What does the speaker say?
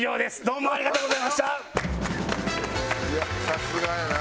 いやさすがやな。